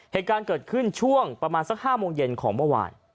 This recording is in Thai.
เฮตการเกิดขึ้นประมาณ๕โมงเย็นของเมื่อวาน